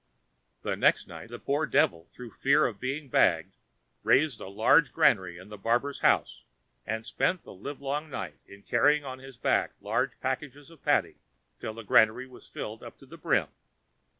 The next night the poor devil, through fear of being bagged, raised a large granary in the barber's house, and spent the live long night in carrying on his back large packages of paddy till the granary was filled up to the brim.